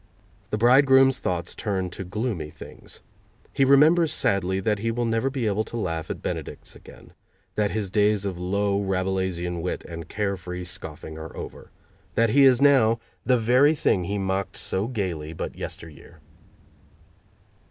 The bridegroom's thoughts turn to gloomy things. He remembers sadly that he will never be able to laugh at benedicts again; that his days of low, rabelaisian wit and care free scoffing are over; that he is now the very thing he mocked so gaily but yesteryear.